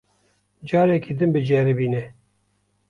Careke din biceribîne.